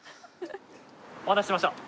お待たせしました。